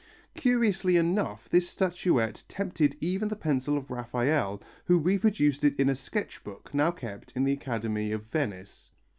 Curiously enough this statuette tempted even the pencil of Raphael, who reproduced it in a sketch book now kept in the Academy of Venice.